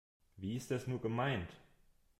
Wie ist das nur gemeint?